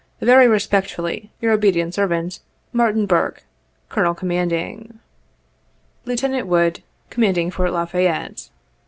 " Very respectfully, your obedient servant, "MARTIN BURKE, " Colonel Commanding " "Lieutenant Wood, " Commanding Fort La Fayette."